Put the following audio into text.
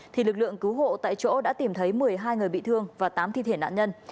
thì lực lượng cứu hộ tại chỗ đã tìm thấy một mươi hai người bị thương và tám thi thể nạn nhân